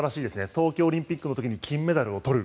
東京オリンピックの時に金メダルを取る。